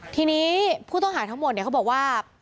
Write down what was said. ทีนี้ผู้ต้องหาทั้งหมดเขาบอกว่า